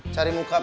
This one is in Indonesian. cari muka pisah